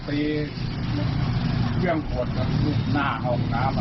ถ้ามันมาตีเวื่องขวดกับลูกหน้าของข้าง